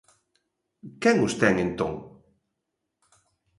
¿Quen os ten, entón?